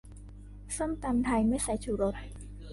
ส้มตำไทย ไม่ใส่ชูรส